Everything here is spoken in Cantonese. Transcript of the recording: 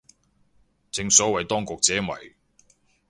正所謂當局者迷